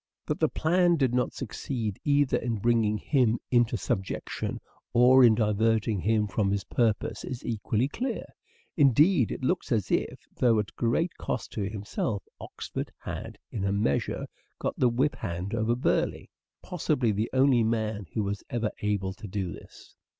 That the plan did not succeed either in bringing him into subjection or in diverting him from his purpose is equally clear. Indeed, it looks as if, though at great cost to himself, Oxford had in a measure got the whip hand over Burleigh : possibly the only man who was ever able to do this.